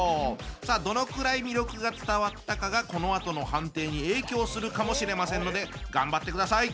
さあどのくらい魅力が伝わったかがこのあとの判定に影響するかもしれませんので頑張ってください。